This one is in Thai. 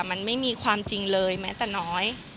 มันไม่มีความจริงเลยแม้แต่น้อย